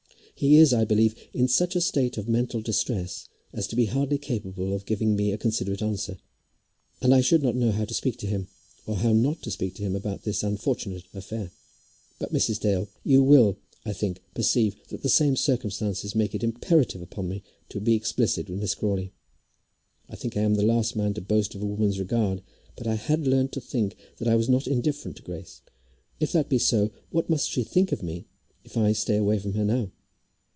"He is, I believe, in such a state of mental distress as to be hardly capable of giving me a considerate answer. And I should not know how to speak to him, or how not to speak to him, about this unfortunate affair. But, Mrs. Dale, you will, I think, perceive that the same circumstances make it imperative upon me to be explicit to Miss Crawley. I think I am the last man to boast of a woman's regard, but I had learned to think that I was not indifferent to Grace. If that be so, what must she think of me if I stay away from her now?"